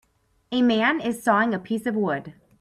A man is sawing a piece of wood.